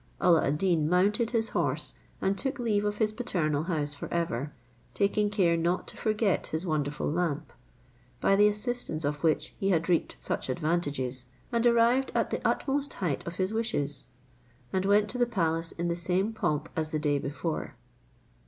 Alla ad Deen mounted his horse, and took leave of his paternal house forever, taking care not to forget his wonderful lamp, by the assistance of which he had reaped such advantages, and arrived at the utmost height of his wishes, and went to the palace in the same pomp as the day before.